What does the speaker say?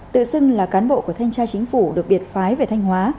tự xưng là cán bộ của thanh tra chính phủ được biệt phái về thanh hóa